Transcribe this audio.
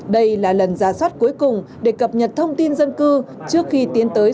đây là lần ra soát cuối cùng để cập nhật thông tin dân cư trước khi tiến tới